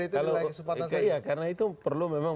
itu di lain sempatan saja karena itu perlu memang